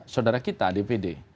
saudara kita dpd